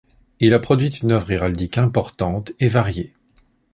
Il a produit une œuvre héraldique importante et variée.